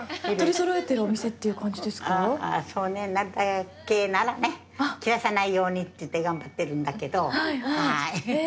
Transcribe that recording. そうね、なるだけならね切らさないようにっていって頑張ってるんだけど。